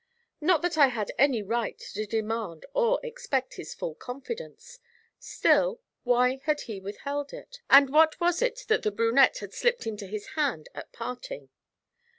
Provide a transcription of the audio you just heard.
Not that I had any right to demand or expect his full confidence; still, why had he withheld it; and what was it that the brunette had slipped into his hand at parting?